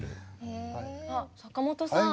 あっ坂本さん